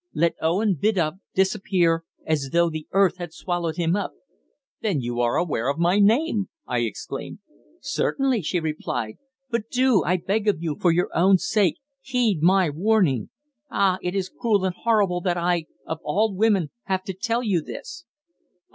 Let Owen Biddulph disappear as though the earth had swallowed him up." "Then you are aware of my name!" I exclaimed. "Certainly," she replied. "But do I beg of you for your own sake heed my warning! Ah! it is cruel and horrible that I of all women have to tell you this!"